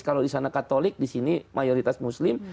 kalau di sana katolik di sini mayoritas muslim